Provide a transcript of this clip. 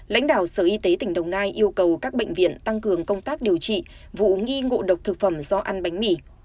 lãnh đạo sở y tế tỉnh đồng nai yêu cầu các bệnh viện tăng cường công tác điều trị vụ nghi ngộ độc thực phẩm do ăn bánh mì